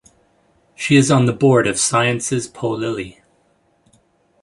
She is on the board of Sciences Po Lille.